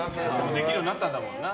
できるようになったんだもんな。